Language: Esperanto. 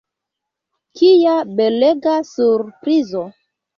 Kia belega surprizo!